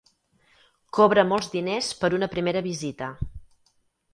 Cobra molts diners per una primera visita.